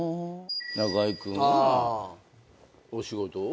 中居君がお仕事を。